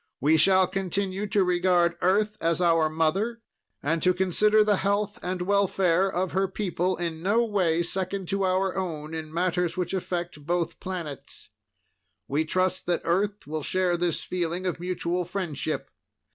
We shall continue to regard Earth as our mother, and to consider the health and welfare of her people in no way second to our own in matters which affect both planets. We trust that Earth will share this feeling of mutual friendship.